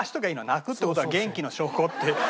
「泣くって事は元気な証拠」って。